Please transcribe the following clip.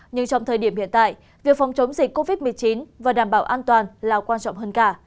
nhưng trong thời điểm hiện tại việc phòng chống dịch covid một mươi chín và đảm bảo an toàn là quan trọng hơn cả